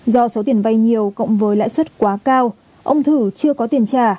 do số tiền vay nhiều cộng với lãi suất quá cao ông thử chưa có tiền trả